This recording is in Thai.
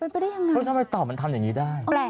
เพราะทำไมเต่ามันทำอย่างนี้ได้